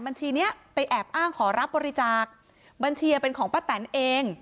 บัญชีนี้ไปแอบอ้างขอรับบริจาคบัญชีเป็นของป้าแตนเอง